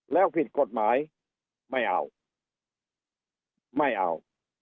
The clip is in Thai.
แล้วผิดกฎหมายไม่เอาไม่เอา